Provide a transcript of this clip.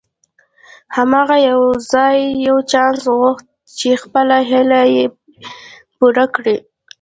هغه يوازې يو چانس غوښت چې خپله هيله پوره کړي.